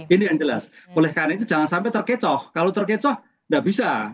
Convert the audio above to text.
ini yang jelas oleh karena itu jangan sampai terkecoh kalau terkecoh tidak bisa